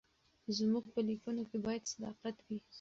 زموږ په لیکنو کې باید صداقت وي.